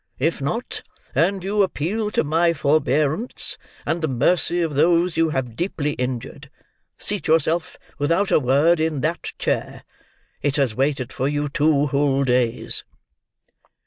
If not, and you appeal to my forbearance, and the mercy of those you have deeply injured, seat yourself, without a word, in that chair. It has waited for you two whole days."